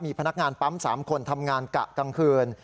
พนักงานปั๊ม๓คนทำงานกะกลางคืน